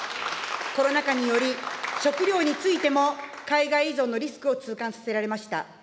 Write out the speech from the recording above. コロナ禍により、食料についても海外依存のリスクを痛感させられました。